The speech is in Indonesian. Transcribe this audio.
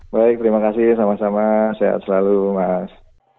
baik terima kasih sama sama sehat selalu mas